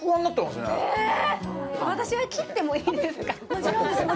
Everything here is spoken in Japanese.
もちろんです